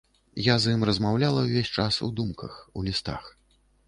Я з ім размаўляла ўвесь час у думках, у лістах.